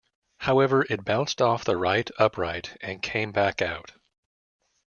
However, it bounced off the right upright and came back out.